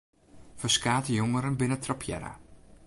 Ferskate jongeren binne trappearre.